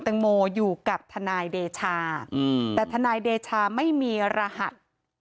ที่ที่ก็ทำแล้วต่อถามตั้งแต่เช้าจนเดี๋ยว